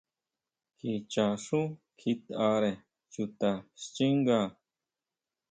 Kicha xú kjitʼare chuta xchínga.